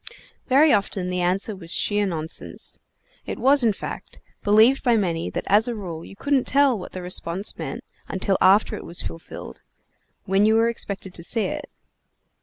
Very often the answer was sheer nonsense. It was, in fact, believed by many that as a rule you couldn't tell what the response meant until after it was fulfilled, when you were expected to see it.